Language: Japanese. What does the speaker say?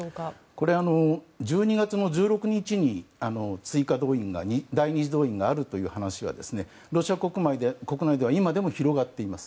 これは１２月１６日に第２次動員があるという話がロシア国内では今でも広がっています。